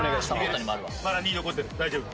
まだ２残ってる大丈夫